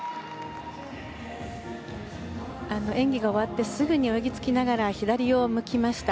演技が終わってすぐに泳ぎ着きながら左を向きました。